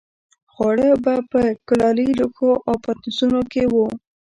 خواړه به په کلالي لوښو او پتنوسونو کې وو.